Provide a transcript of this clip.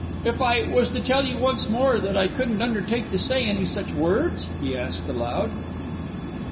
"If I was to tell you once more that I couldn't undertake to say any such words?" he asked aloud.